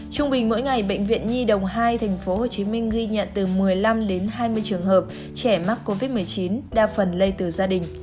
trung bình mỗi ngày bệnh viện nhi đồng hai tp hcm ghi nhận từ một mươi năm đến hai mươi trường hợp trẻ mắc covid một mươi chín đa phần lây từ gia đình